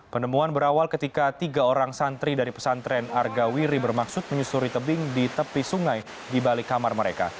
penemuan berawal ketika tiga orang santri dari pesantren argawiri bermaksud menyusuri tebing di tepi sungai di balik kamar mereka